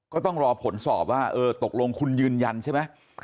ก็ต้องรอผลสอบว่าเออตกลงคุณยืนยันใช่ไหม